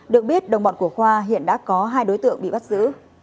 được biết đồng bọn của khoa hiện đã có hai đối tượng bị bắt giữ